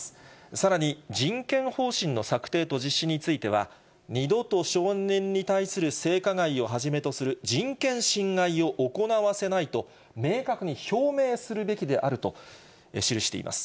さらに、人権方針の策定と実施については、二度と少年に対する性加害をはじめとする人権侵害を行わせないと明確に表明するべきであると記しています。